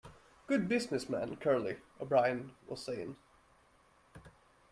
Good business man, Curly, O'Brien was saying.